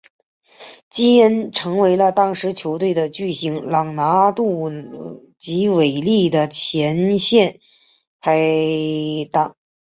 基恩成为了当时球队的巨星朗拿度及韦利的前线拍挡。